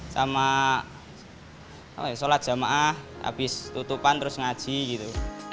sama sholat jamaah habis tutupan terus ngaji gitu